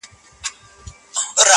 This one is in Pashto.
• سترگه ور وي، ژبه ور وي عالمان وي -